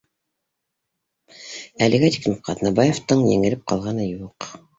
Әлегә тиклем Ҡаҙнабаевтың еңелеп ҡалғаны юҡ